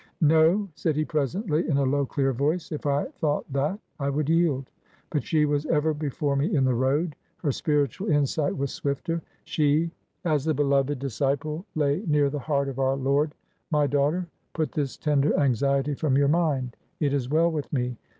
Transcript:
" No," said he, presently, in a low, clear voice ;" if I thought that^ I would yield. But she was ever before me in the road. Her spiritual insight was swifter. She, as the beloved disciple, lay near the heart of our Lord. My daughter, put this tender anxiety from your mind. It is well with me.